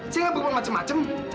saya nggak berbuat macem macem